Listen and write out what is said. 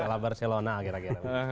kalau barcelona kira kira